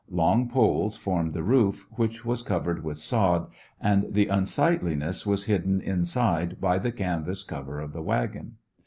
Long poles formed the roof, which was cov ered with sod, and the unsightliness was hidden inside by the canvas cover of the wagon.